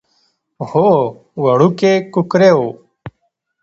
هو وړوکی کوکری و.